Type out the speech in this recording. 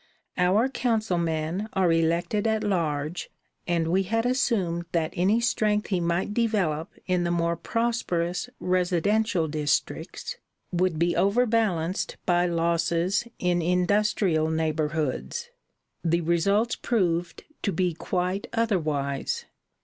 Our councilmen are elected at large, and we had assumed that any strength he might develop in the more prosperous residential districts would be overbalanced by losses in industrial neighborhoods. The results proved to be quite otherwise.